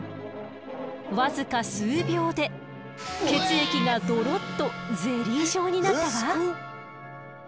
僅か数秒で血液がドロッとゼリー状になったわ！